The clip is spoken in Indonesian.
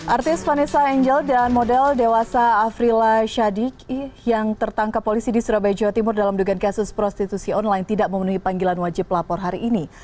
artis vanessa angel dan model dewasa afrila shadik yang tertangkap polisi di surabaya jawa timur dalam dugaan kasus prostitusi online tidak memenuhi panggilan wajib lapor hari ini